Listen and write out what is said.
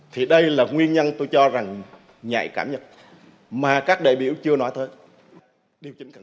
thì đây là nguyên nhân tôi cho rằng nhạy cảm nhất mà các đại biểu chưa nói thôi